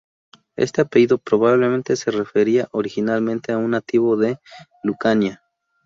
Este apellido probablemente se refería originalmente a un nativo de Lucania.